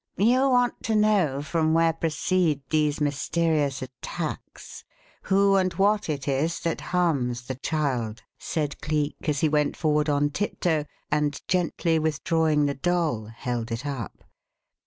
"You want to know from where proceed these mysterious attacks who and what it is that harms the child?" said Cleek as he went forward on tiptoe and, gently withdrawing the doll, held it up.